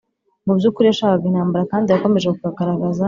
mu by’ukuri yashakaga intambara kandi yakomeje kugaragaza